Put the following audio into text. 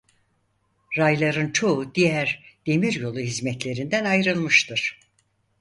Rayların çoğu diğer demiryolu hizmetlerinden ayrılmıştır.